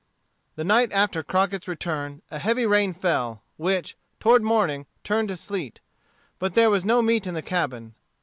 The night after Crockett's return a heavy rain fell, which, toward morning, turned to sleet. But there was no meat in the cabin.